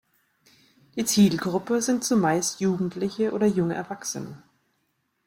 Die Zielgruppe sind zumeist Jugendliche oder junge Erwachsene.